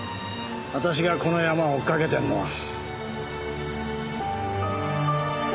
私がこのヤマを追っかけてるのは。